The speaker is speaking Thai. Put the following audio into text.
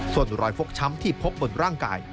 ส่วนรอยฟกช้ำที่พบบนร่างกาย